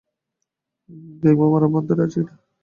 কিংবা মরার ভান ধরে আছে কিনা।